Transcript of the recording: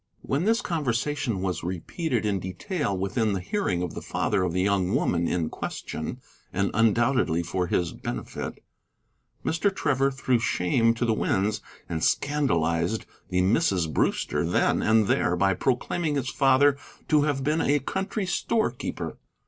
When this conversation was repeated in detail within the hearing of the father of the young woman in question, and undoubtedly for his benefit, Mr. Trevor threw shame to the winds and scandalized the Misses Brewster then and there by proclaiming his father to have been a country storekeeper.